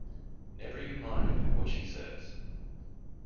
Never you mind what she says.